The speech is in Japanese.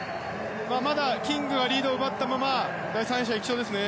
まだキングはリードを奪ったまま第３泳者に行きそうですね。